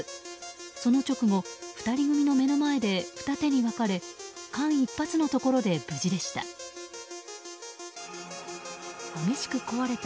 その直後、２人組の目の前で二手に分かれ間一髪のところで無事でした。